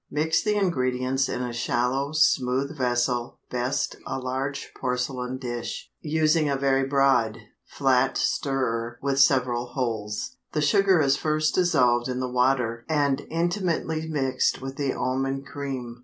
Mix the ingredients in a shallow, smooth vessel, best a large porcelain dish, using a very broad, flat stirrer with several holes. The sugar is first dissolved in the water and intimately mixed with the almond cream.